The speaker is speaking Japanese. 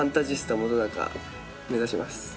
目指します。